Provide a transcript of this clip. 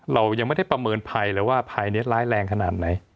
เรายังไม่ได้ประเมินภัยเลยว่าภายในร้ายแรงขนาดไหน